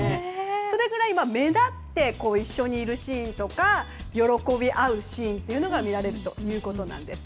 それくらい目立って一緒にいるシーンや喜び合うシーンが見られるということなんです。